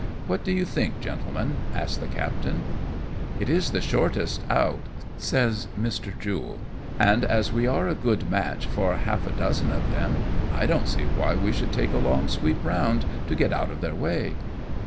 What do you think, gentlemen ?" asks the captain. " It is the shortest cut," says Mr. Jule, " and as we are a good match for half a dozen of them, I don^t see why we should take a long sweep round to get out of their way."